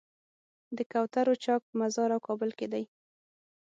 د کوترو چوک په مزار او کابل کې دی.